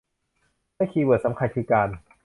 และคีย์เวิร์ดสำคัญคือการ